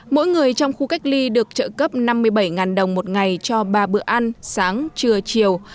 mỗi người trong khu cách ly được trợ cấp năm mươi bảy đồng một ngày cho ba bữa ăn sáng trưa chiều